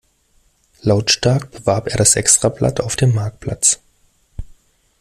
Lautstark bewarb er das Extrablatt auf dem Marktplatz.